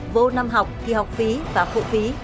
vô năm học thì học phí và phụ phí